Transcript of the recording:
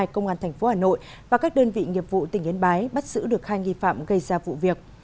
công an tp hà nội và các đơn vị nghiệp vụ tỉnh yên bái bắt giữ được hai nghi phạm gây ra vụ việc